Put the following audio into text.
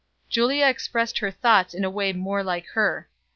Julia expressed her thoughts in a way more like her.